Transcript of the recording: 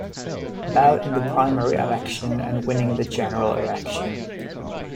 Bell in the primary election and winning the general election.